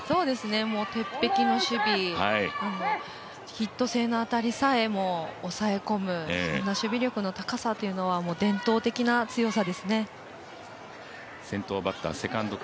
鉄壁の守備、ヒット性の当たりさえも抑えこむそんな守備力の高さは伝統的なものですね。